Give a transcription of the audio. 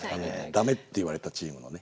ダメって言われたチームのね。